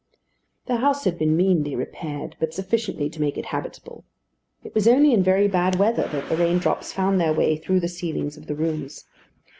The house had been meanly repaired; but sufficiently to make it habitable. It was only in very bad weather that the rain drops found their way through the ceilings of the rooms.